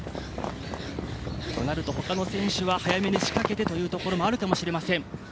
他の選手は早めに仕掛けてというところがあるかもしれません。